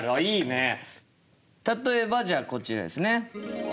例えばじゃあこちらですね。